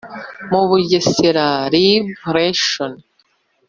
mu Bugesera Lib ration